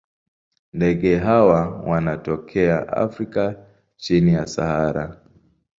Ndege hawa wanatokea Afrika chini ya Sahara.